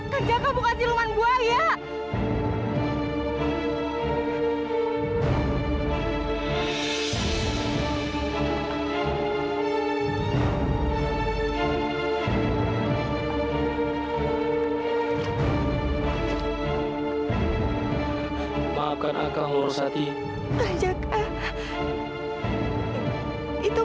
kang jaka buka siluman buaya maafkan aku horsati itu kamu